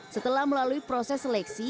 setelah melalui proses seleksi